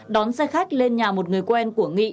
đón xe khách lên nhà một người quen của nghị